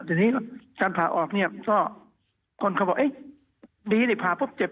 ทีนี้การผ่าออกเนี่ยก็คนเขาบอกเอ๊ะดีนี่ผ่าปุ๊บเจ็บ